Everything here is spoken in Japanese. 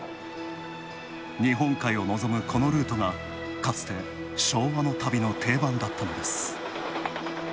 日本海をのぞむこのルートが、かつて昭和の旅の定番だったのです。